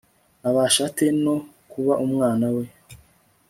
abasha ate no kuba umwana we